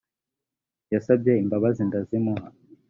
yasabye imbabazi ndazimuha